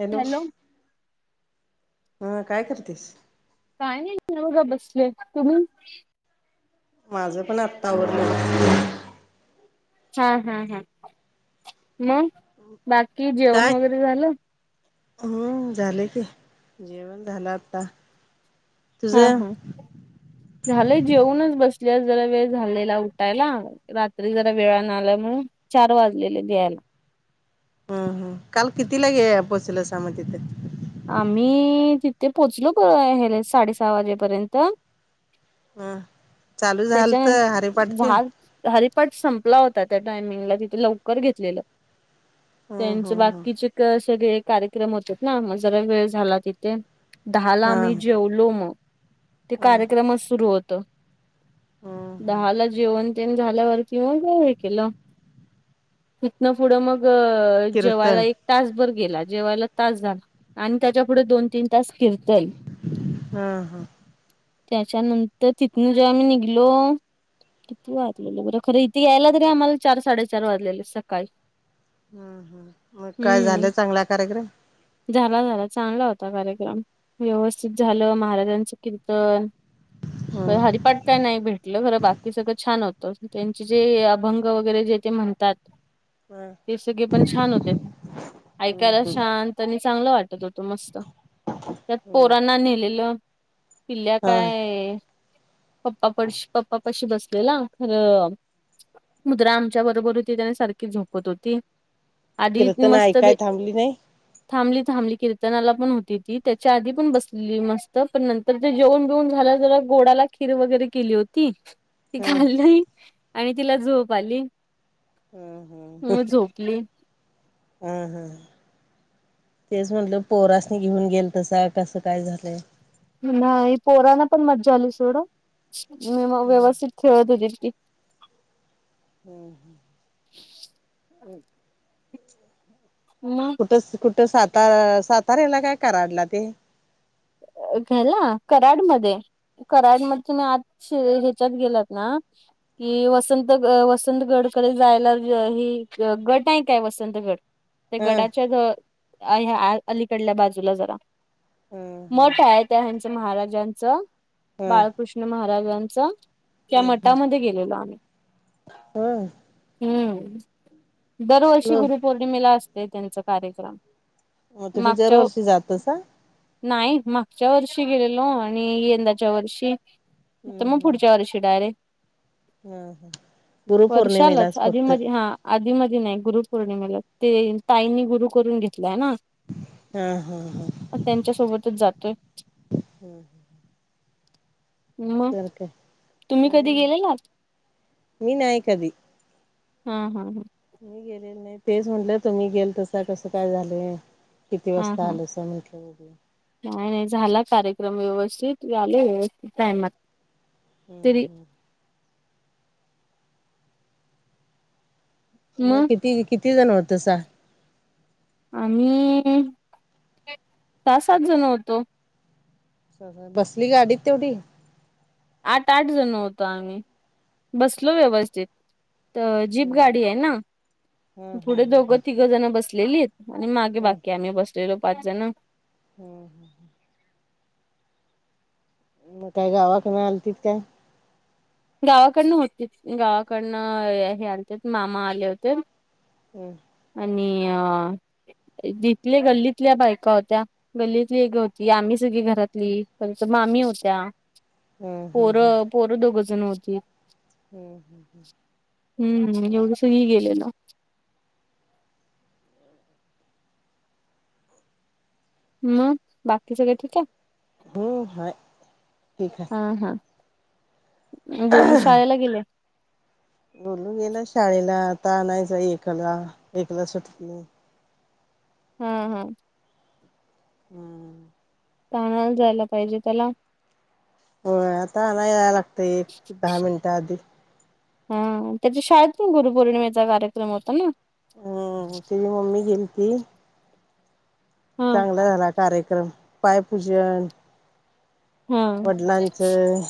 Hello! हा काय करतीस. काय नाही ना बघा बसले तुम्ही माझं पण आत्ता आवरलंय. छान हा हा हा मग. बाकी काय जेवण वगैरे झालं? हम्म झाले की जेवण झालं आता. हा तुझं हा झाले जेवूनच बसल्यास जरा वेळ झालेला उठायला, रा तरी जरा वेळा न आल्यामुळे चार वाजलेलेत यायला. हम् हम काल किती लागे पोचलसा म तिथे आम्ही तिथे पोहोचलो साडे सहा वाजेपर्यंत ह चालू झालत हरीपाठ त्याच्यानंतर तेन झाड हरिपाठ संपला होता त्या टायमिंगला तिथे, लवकर घेतलेलं हम्म त्यांच हम्म बाकीचे सगळे कार्यक्रम होतात ना जरा वेळ झाला तिथे, हम्म दहाला हा आम्ही जेवलो मग ते हा कार्यक्रमच सुरू होत. हम्म हम्म दहाला जेवण तेन झाल्यावरती मग हे केलं तिथन पुढ मग जेवायला कीर्तन एक तासभर गेला जेवाला तास झाला आणि त्याच्या पुुढे दोन, तीन तास किर हम्म हम्म त्याच्यानंतर तिथन जेव्हा आम्ही निघ लो किती वाजलेले बरं खरं इथे यायला तरीे आम्हाला चार साडेचार वाजलेले सकाळी हम् हम मग काय हम्म. झालं चांगल्या कार्यक्रम, झाला झाला चांगला होता कार्यक्रम व्यवस्थित झालं. महाराजांचं कीर्तन, हम्म हरिपाठ काय नाही भेटलं? बाकी सगळं छान होतं, त्यांचे जे अभंग वगैरे जे ते म्हणतात. हम सगळे पण छान होते. हम्म ऐकायला हम्म शांत आणि चांगला वाटत होतो. मस्त त्यात हम्म पोरांना नेलेलं पिल्ल्या हा काय? पप्पा पडश पप्पा पशी बसलेला खर मुद्रा आमच्या बरोबर होती. त्याने सारखी झोपत होती. त आधी कीर्तन मस्त ऐकाय बे थांबली नाही थांबली-थांबली कीर्तनाला पण होती ती, त्याच्या आधी पण बसलेली मस्त, पण नंतर ते जेवून बेऊन झालं जरा गोडाला खीर वगैरे केली होती, ती हा खाल्ली आणि तिला झोप आली, हम्म हम्म म झोपली, हा हा तेच म्हटलं पोरासनी घेऊन गेल तसा कसं काय झालंय? नाही पोरना पण मज्जा आली सोड, म व्यवस्थित खेळत होती की, हम ह म कुठं कुठं? सातार सातार्याला काय कराडला ते, घ्याला कराडमध्ये, कराडमधुन आत ह्याच्यात गेलात ना, कि वसंत वसंतगडकडे जायला ही गड नाही काय? वसंतगड त्या हं गडाच्या अलीकडल्या बाजूला जरा, हं हं मठ आहे त्या हेचं महाराजांचं हं बाळकृष्ण महाराजांचं त्या हं हं मठामध्ये गेलेलो आम्ही, होय हम्म दरवर्षी मग गुरुपौर्णिमेला असते त्यांचा कार्यक्रम मग तुम्ही मागच्या दरवर्षी जातसा, नाही मागच्या वर्षी गेलेलो आणि यंदाच्या वर्षी तर हं मग हं पुढच्या वर्षी डायरेक्ट हं हं वर्षाला गुरुपौर्णिमेलाच फक्त आधी-मधी, आधी-मधी नाही गुरुपौर्णिमेला ते ताईंनी गुरु करून घेतला आहे ना, हा, हा, हा. च्या सोबतच जातोय. मग. तर काय तुम्ही काय कधी नाही गेलेलात? मी नाय कधी. ह, ह, ह. मी गेलेलं नाही. तेच म्हटलं, तुमी गेलतसा, कसं काय झालंय? किती हा वाजता हा आलंसां. म्हटलं वगैरे. नाही, नाही. झाला कार्यक्रम व्यवस्थित. मी आले व्यवस्थित, टायमात. हम्, तरी हम्. मग किती? किती जण होतसा? आम्ही, सहा- सात जण होतो. बसली गाडीत तेवढी? आठ- आठ जण होत आम्ही. बसलो व्यवस्थित. त. जीप हम्म गाडीय ना, हम्म पुढे हम्म दोघं- हम्म तिघं जणं बसलेलीत. आणि मागे हम्म बाकी आम्ही बसलेलो पाच जणं. हम्, हम, ह. हम्म मग काय, गावाकन आलतीत काय? गावाकडनं होतीत. गावाकडनं, हे आलते. मामा आले होते. हम्. आणि अ जिथले गल्लीतल्या बायका होत्या. गल्लीतली एक ग होती. आम्ही सगळी घरातली. पंच मामी होत्या. हम्म हम्म पोरं, पोरं दोघं जण होती. हम्, हम्, हम्. हम्म. एवढं सगळी गेलेलो. मग, बाकी सगळे ठीकय. हो हाय ठीक हा, आहे हा. गोलू शाळेला गेल्या? बोलू गेला शाळेला. आता आणयचा एकाला. एकला सुटती. हं, हं. हम्म. ता आणायला जायला पाहिजे त्याला? होय. आता अनाया याय लागतय. एक दहा मिनटं आधी. हा. त्याच्या शाळेत पण गुरुपौर्णिमेचा कार्यक्रम होता ना? हम्म. तिझी मम्मी गेलती. हा चांगला झाला कार्यक्रम. पायपूजन हा वडिलांचं.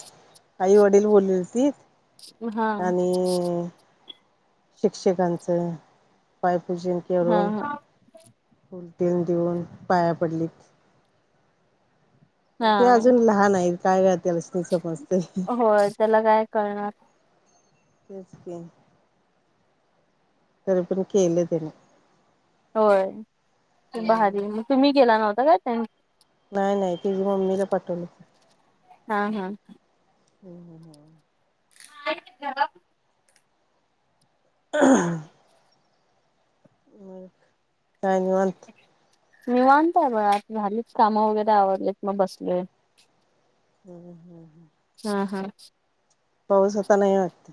आईवडील बोलवीलतीत. हा आणि शिक्षकांचं, पायपूजन हा केरुन हा फुल तेन देऊन, पाया पडलीत. ते हा अजून लहानय. काय त्याला समजतय. होय त्याला काय कळणार तेच की. तरी पण केलं त्यानी. होय. हम्म. भारीय मग. तुम्ही गेला नव्हता काय, त्यान नाही, नाही. तिझ मम्मीला पाठवलं होतं. हा, हा, हा. हम्, हम, हम. [unintelligible] [unintelligible] मग काय निवांत? निवांत आहं बघा आता झालीच कामं वगैरे आवरलीत मग बसलोय. हम् हम्. हा हा पाऊस आता नाही वाटत?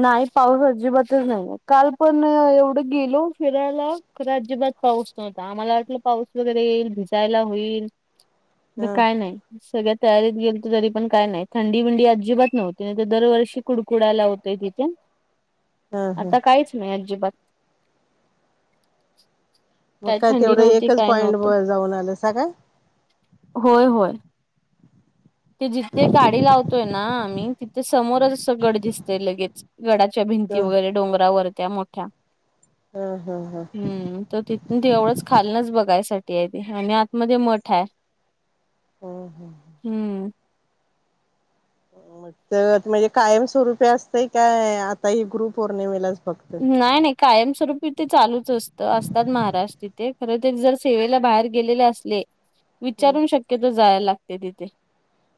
नाही पाऊस अजिबातच नाही काल पण एवढं गेलो फिरायला, अजिबात पाऊस नव्हता आम्हाला वाटलं पाऊस वगैरे येईल भिजायला होईल. [unintelligible] काय नाही. सगळ्या तयारीत गेलतो तरी पण काय नाही थंडी बिडी अजिबात नव्हती नाही तर दरवर्षी कुडकुडायला होतं. ते तिथे हा हा. आता काहीच नाही अजिबात. [unintelligible] मग काय थंडी तेवढं नव्हती एकच काय पॉईंट नव्हतं ब जाऊन आलंसा काय? होय होय. ते जिथे गाडी लावतोय ना आम्ही तिथे समोरच असं गड दिसतय लगेच. गडाच्या भिंती ह वगैरे डोंगरावर त्या मोठ्या ह ह ह हम्म. तर तिथंन ते एवढंच खालनच बघायसाठी आहे ते आणि आतमध्ये मठ आहे. हम्म हम्म हम्म मग तर म्हणजे कायम स्वरूपी असतंय काय आता हे गुरुपौर्णिमेला नाही नाही, कायमस्वरूपीते चालूच असत असतात महाराज तिथे जर सेवेला बाहेर गेलेले अस नाही हम्म विचारून शक्यतो जायला लागते तिथे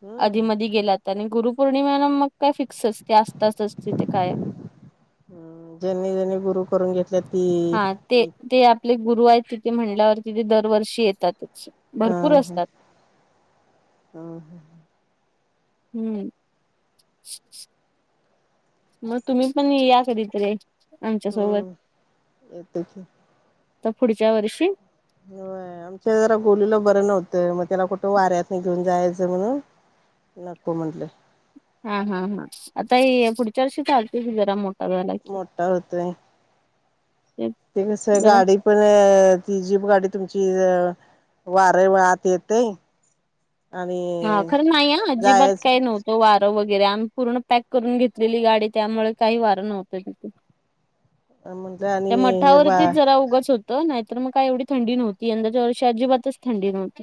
हम्म. आधी मधी गेलात, त्यांनी गुरुपौर्णिमेला मग काय फिक्सचं ते असतातचं तिथे कायम. ह् ज्यांनी ज्यांनी गुरु करून घेतल्यात ती, हा ते हा ते आपले गुरु आहेत तिथे म्हणल्यावर तिथे दरवर्षी येतातचं. हा हा ह् अ हम्म. म तुम्ही पण या कधीतरी आमच्यासोबत? हम्म येतो की आता पुढच्या वर्षी? होय आमच्या जरा गोलुला बरं नव्हतं म त्याला कुठं वाऱ्यातनं घेऊन जायचं म्हणून, नको म्हटलं. हा हा हा आता हे पुढच्या वर्षी चालतंस की जरा मोठा झाला की. मोठा होतोय. ते कसं जरा गाडीत. पण ती जीप गाडी तुमची वारं वाआत येतंय. हा खरं नाही हा अजिबात जायच काय नव्हतं. तो वारं वगैरे आम्ही पूर्ण पॅक करून घेतलेली गाडी त्यामुळे काही वारं नव्हतं तिथे. म्हटलं आणि त्या हे बा मठावरतीच जरा उगस हो त नाहीतर मग काय येवढी थंडी नव्हती यंदाच्या वर्षी अजिबातचं थंडी नव्हती.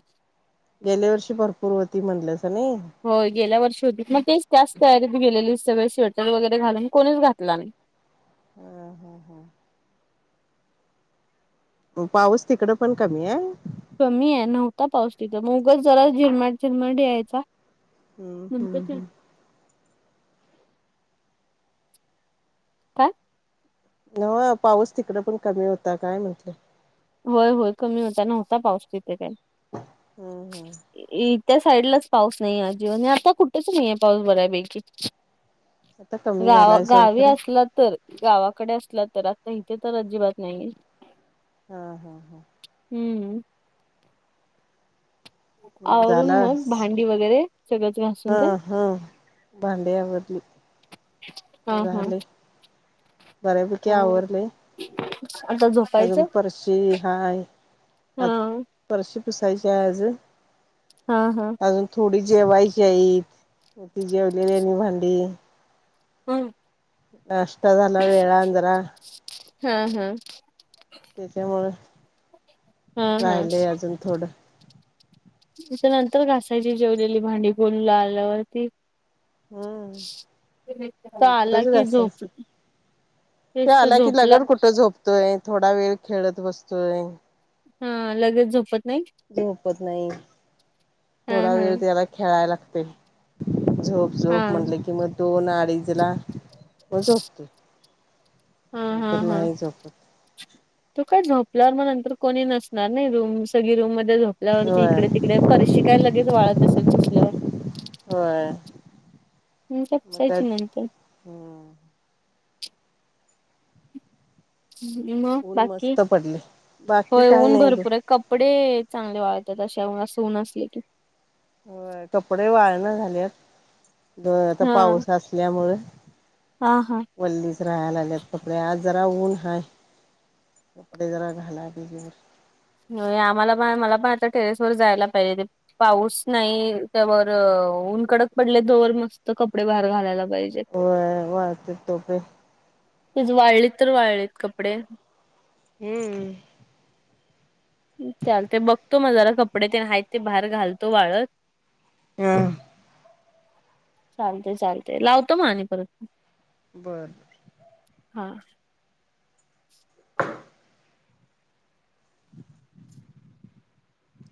गेल्या वर्षी भरपूर होती म्हणलेसा ने? होय गेल्या वर्षी होती मग तेच त्याच तयारीत गेलेली सगळे शोर्टर वगैरे घालून कोणीच घातला नाही. हा हा हा म पाऊस तिकडं पण कमी आहे. कमी आहे नव्हता पाऊस तिथं मोगच जरा झिरमट चिरमट या्यायचा. हम हम हम, काय. ह पाऊस तिकडं पण कमी होता काय म्हटलं. होय होय कमी होता नव्हता पाऊस तिथे काय. हम हम, ई त्या साईडलाच पाऊस नाही अजीवन आता कुठे नाहीये पाऊस बऱ्यापैकी. आता कमी गाव झालाय सोड गावी खरं. असला तर. गावाकडे असला तर आता इथे तर अजिबात नाहीये. हा हा हा, हम्म, मग आवरून मग झालास भांडी वगैरे सगच घास''--'' हा हा, भांड्यावरली. हा हा, बऱ्यापैकी हा आवरडलेय आता अजून झोपायचं पशी हाय. आप हा पर्शी पुिसायचे हाय आज. हा हा, अजून थोडी जेवायची आहेतती जेवलेली आणि भांडी. हम्, नाश्ता झाला वेळ न जरा. हा हा, त्याच्यामुंळ हा राहिले अजून थोडं. त्याच्या नंतर घासायची जेवलेली भांडी कोलला आल्यावरती. हम्म, तो आला नंतरच की झोप घासायची. ते तेच तो आला की. झोपला लगन कुठं झोपतोय थोडा वेळ खेळत बसतोय. हा लगेच झोपत नाही. झोपच नाही. हा थोडा हा वेळ त्याला खेळायला लागते झोप हा झोप म्हटले की, मग. दोन अडीजला म झोपतो हा हा नंतर हा नाही झोपत. तो काय झोपल्यावर मग नंतर कोणी नसणार नाही रूम सग रूम मध्ये झोप ''--'' ल त होय इकडे तिकडे परीशी काय लगेच वाळत असेल पोचल्यावर. होय म [unintelligible] मग जसायची कायच नंतर हम्म, मग ऊन बाकी मस्त पडले बाकी होय काय ऊन नाही ब भरपूर आहे कपडे. चांगले वाळतात अशा अस होऊ नसले की, हो कपडे वाळण झालेत आता हा पाऊस असल्यामुळे. हा हा, वल्लीच राहायला लागलेत कपडे आज जरा ऊन हाय. कपडे जरा गाला [unintelligible] देजे होय आम्हाला प मला पण आता टेरेस वर जायला पाहिजे. पाऊस नाही त्यावर उऊन कडक पडल्या जवर मस्त कपडे बाहेर घालायला पाहिजे. होय वाळत्या तोपे. तीज वाळलीत तर वाळलेत कपडे. हम्म हम्म. चालतंय बघतो म जरा कपडे ते नाही ते बाहेर घालतो वाळत. हम चालते चालते लावतो मग आणि परत, बरं हा